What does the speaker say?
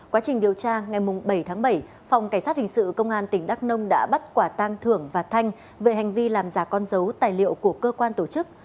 quá trình điều tra ngày bảy tháng bảy phòng cảnh sát hình sự công an tỉnh đắk nông đã bắt quả tang thưởng và thanh về hành vi làm giả con dấu tài liệu của cơ quan tổ chức